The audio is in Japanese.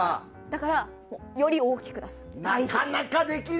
だから、より大きく出す。